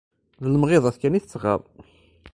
d lemɣiḍat kan i tt-tɣaḍ.